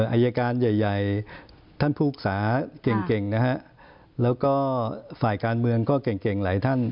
อายการใหญ่ท่านผู้ศึกษาเก่งนะฮะแล้วก็ฝ่ายการเมืองก็เก่งหลายท่าน